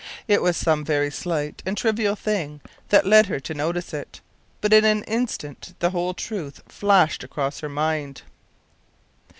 It was some very slight and trivial thing that led her to notice it, but in an instant the whole truth flashed across her mind.